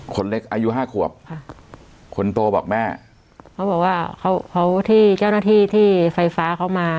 คนเล็กอายุห้าขวบค่ะคนโตบอกแม่เขาบอกว่าเขาเขาที่เจ้าหน้าที่ที่ไฟฟ้าเขามา